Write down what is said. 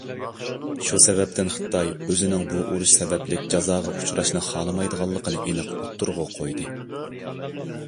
شۇ سەۋەبتىن خىتاي ئۆزىنىڭ بۇ ئۇرۇش سەۋەبلىك جازاغا ئۇچراشنى خالىمايدىغانلىقىنى ئېنىق ئوتتۇرىغا قويدى.